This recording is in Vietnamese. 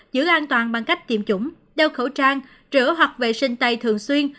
giữ an toàn bằng cách tiêm chủng đeo khẩu trang rửa hoặc vệ sinh tay thường xuyên